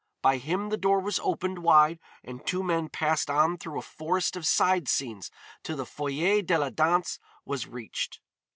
By him the door was opened wide and the two men passed on through a forest of side scenes till the foyer de la danse was reached.